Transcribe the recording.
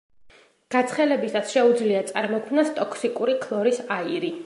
გაცხელებისას შეუძლია წარმოქმნას ტოქსიკური ქლორის აირი.